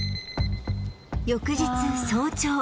翌日早朝